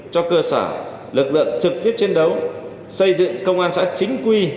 cho cơ sở lực lượng trực tiếp chiến đấu xây dựng công an xã chính quy